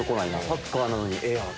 サッカーなのにエア。